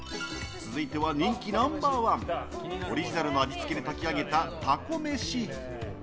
続いては、人気ナンバー１オリジナルの味付けで炊き上げたたこめし。